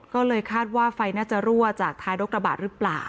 ก็เลยคาดว่าไฟน่าจะรั่วจากท้ายรถกระบะหรือเปล่า